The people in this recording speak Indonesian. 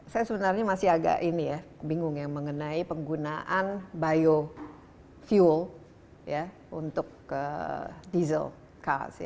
saya sebenarnya masih agak bingung mengenai penggunaan biofuel untuk diesel cars